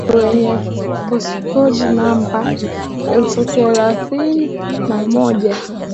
wenye postikodi namba elfu thelathini na moja